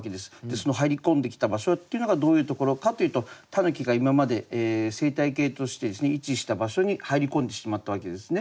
その入り込んできた場所っていうのがどういうところかというと狸が今まで生態系として位置した場所に入り込んでしまったわけですね。